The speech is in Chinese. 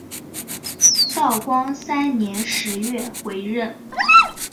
道光三年十月回任。